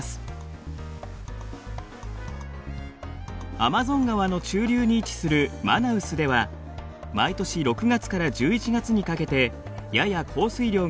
アマゾン川の中流に位置するマナウスでは毎年６月から１１月にかけてやや降水量が少なくなります。